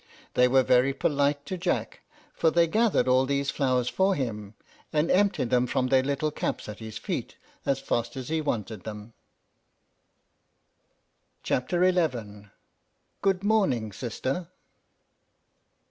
They were very polite to Jack, for they gathered all these flowers for him, and emptied them from their little caps at his feet as fast as he wanted them. CHAPTER XI. GOOD MORNING, SISTER.